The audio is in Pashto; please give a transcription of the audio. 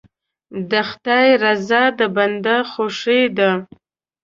د خدای رضا د بنده خوښي ده.